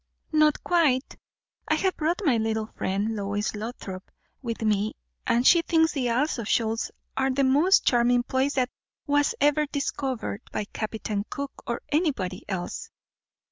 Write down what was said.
"Not quite. I have brought my little friend, Lois Lothrop, with me; and she thinks the Isles of Shoals the most charming place that was ever discovered, by Captain Cook or anybody else."